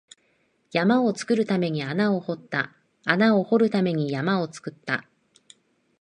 山を作るために穴を掘った、穴を掘るために山を作った